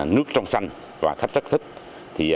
nước trong xanh và khách rất thích